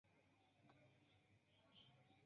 Z kaj H egalas al Ĵ